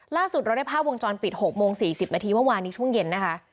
ล่าสุดเราได้ภาพวงจรปิด๖โมง๔๐นาทีเมื่อวานนี้ช่วงเย็นนะคะ